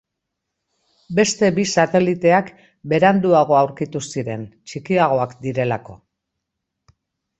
Beste bi sateliteak beranduago aurkitu ziren, txikiagoak direlako.